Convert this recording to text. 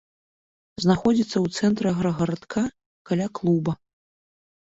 Знаходзіцца у цэнтры аграгарадка, каля клуба.